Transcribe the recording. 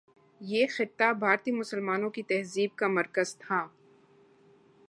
یہ خطہ بھارتی مسلمانوں کی تہذیب کا مرکز تھا۔